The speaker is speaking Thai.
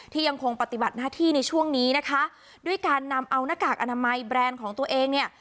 ยังคงปฏิบัติหน้าที่ในช่วงนี้นะคะด้วยการนำเอาหน้ากากอนามัยแบรนด์ของตัวเองเนี่ย